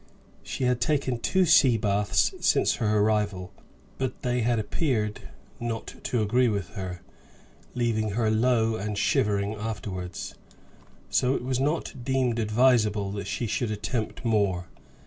She had taken two sea baths since her arrival, but they had appeared not to agree with her, leaving her low and shivering afterwards, so it was not deemed advisable that she should attempt more.